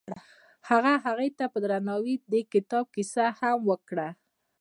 هغه هغې ته په درناوي د کتاب کیسه هم وکړه.